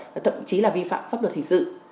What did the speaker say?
và thậm chí là vi phạm pháp luật hình sự